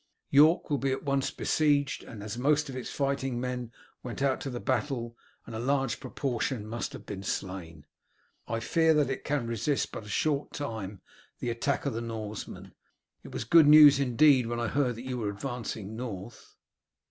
York will be at once besieged, and as most of its fighting men went out to the battle and a large proportion must have been slain, I fear that it can resist but a short time the attack of the Norsemen. It was good news indeed when I heard that you were advancing north."